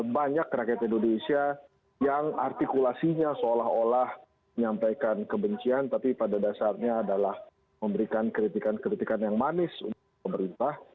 banyak rakyat indonesia yang artikulasinya seolah olah menyampaikan kebencian tapi pada dasarnya adalah memberikan kritikan kritikan yang manis untuk pemerintah